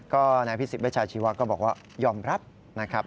ก็นายพิสิทธเวชาชีวะก็บอกว่ายอมรับนะครับ